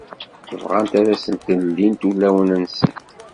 bɣant ad asent-ldint ulawen-nsent.